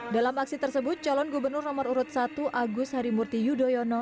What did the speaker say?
dalam aksi tersebut calon gubernur nomor urut satu agus harimurti yudhoyono